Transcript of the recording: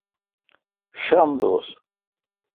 شنب